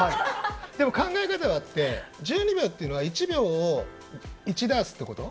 でも、考え方があって１２秒っていうのは１秒を１ダースってこと？